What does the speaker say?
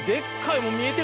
もう見えてる